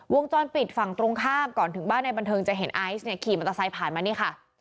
วงจรปิดฝั่งตรงข้ามก่อนถึงบ้านในบันเทิงจะเห็นไอซ์เนี่ยขี่มอเตอร์ไซค์ผ่านมานี่ค่ะ